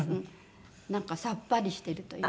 なんかさっぱりしてるというか。